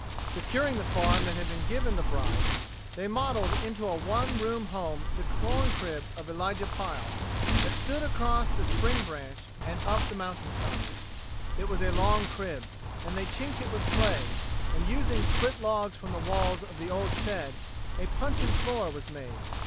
Securing the farm that had been given the bride, they modeled into a one room home the corn crib of Elijah Pile, that stood across the spring branch and up the mountainside. It was a log crib, and they chinked it with clay, and using split logs from the walls of the old shed, a puncheon floor was made.